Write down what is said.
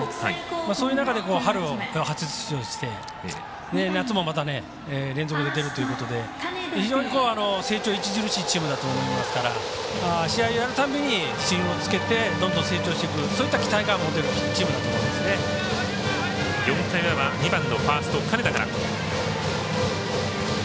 そういう中で春、初出場して夏も連続で出るということで非常に成長著しいチームだと思いますから試合をやるたびに自信をつけてどんどん成長していくそういった期待感が持てる４回の裏は２番、ファースト金田から。